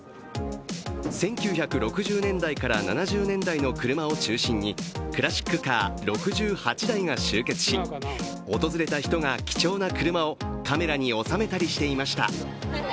１９６０年代から７０年代の車を中心にクラシックカー６８台が集結し訪れた人が貴重な車をカメラに収めたりしていました。